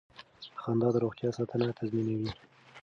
خندا د روغتیا ساتنه تضمینوي.